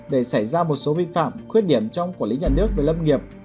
để xảy ra một số vi phạm khuyết điểm trong quản lý nhà nước về lâm nghiệp